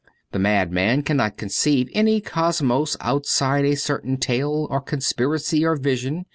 The madman cannot con ceive any cosmos outside a certain tale or con spiracy or vision.